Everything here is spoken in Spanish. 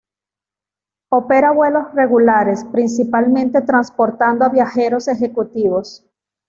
Opera vuelos regulares, principalmente transportando a viajeros ejecutivos.